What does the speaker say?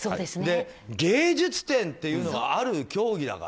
芸術点というのがある競技だから。